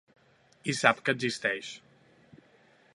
I sap que existeix.